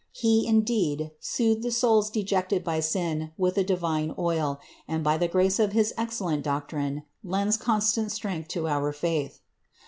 He, indeed, soothed the souls dejected by sin with a divine oil, and by the grace of his excellent doctrine lends constant strength to our faith.